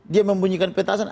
dia membunyikan petasan